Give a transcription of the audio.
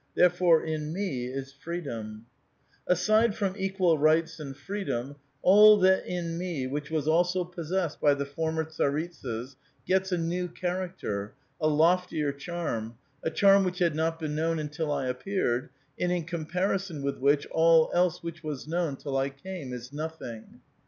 Therefore in me is freedom. ''Aside from equal rights and freedom, all that in me, which was also possessed by the former tsaritsas, gets a new character, a loftier charm, a charm which had not been known until I appeared, and in comparison with which all else which was known till I came is nothing.